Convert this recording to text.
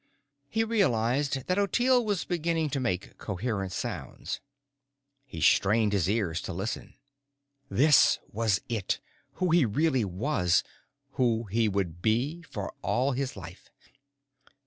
He realized that Ottilie was beginning to make coherent sounds. He strained his ears to listen. This, this was it. Who he really was. Who he would be, for all his life.